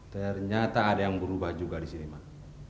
ternyata ada yang berubah juga di sini pak